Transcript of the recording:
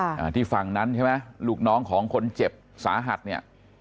อ่าที่ฝั่งนั้นใช่ไหมลูกน้องของคนเจ็บสาหัสเนี่ย